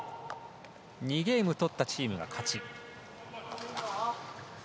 ２ゲーム取ったチームが勝ち。